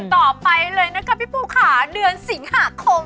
ต่อไปเลยนะคะพี่ปูค่ะเดือนสิงหาคม